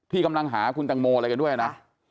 กำลังหาคุณตังโมอะไรกันด้วยนะ